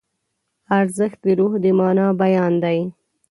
ارزښت د روح د مانا بیان دی.